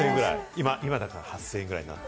今だったら８０００円くらいになって。